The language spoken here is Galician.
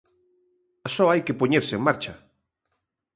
Só hai que poñerse en marcha.